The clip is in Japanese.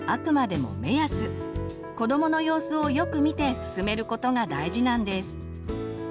子どもの様子をよく見て進めることが大事なんです。